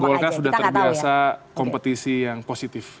golkar sudah terbiasa kompetisi yang positif